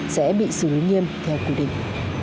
sẽ bị xử lý nghiêm theo quy định